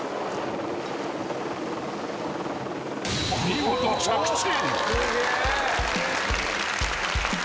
［見事着地］